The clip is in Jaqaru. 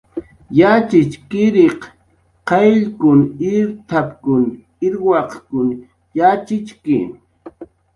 "Yatxchiriq qayllkun irt""p""a, irwaq yatxichki."